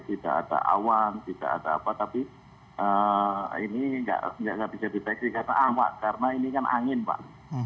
tidak ada awan tidak ada apa tapi ini tidak bisa deteksi karena amat karena ini kan angin pak